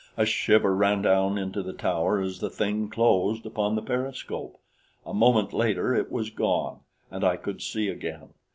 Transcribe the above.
A shiver ran down into the tower as the thing closed upon the periscope. A moment later it was gone, and I could see again.